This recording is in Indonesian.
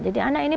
jadi anak ini